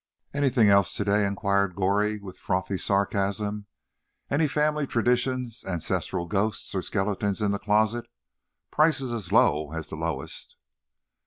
"Anything else to day?" inquired Goree with frothy sarcasm. "Any family traditions, ancestral ghosts, or skeletons in the closet? Prices as low as the lowest."